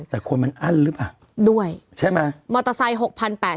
แต่คนมันอั้นหรือเปล่าด้วยใช่ไหมมอเตอร์ไซค์หกพันแปด